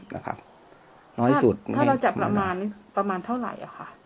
ถ้าน้อยสุดถ้าเราจับประมาณประมาณเท่าไหร่อ่ะค่ะ